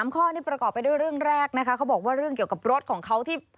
ข้อนี้ประกอบไปด้วยเรื่องแรกนะคะเขาบอกว่าเรื่องเกี่ยวกับรถของเขาที่